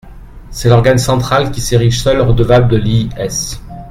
C’est l’organe central qui s’érige seul redevable de l’IS.